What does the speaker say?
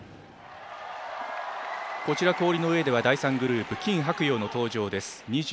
こちら氷の上では第３グループ、金博洋の登場です。